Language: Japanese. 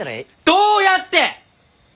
どうやって！？